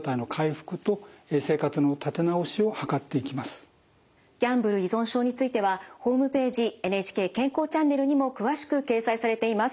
患者さんご本人がギャンブル依存症についてはホームページ「ＮＨＫ健康チャンネル」にも詳しく掲載されています。